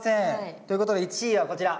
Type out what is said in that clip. ということで１位はこちら。